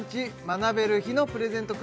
学べる日のプレゼント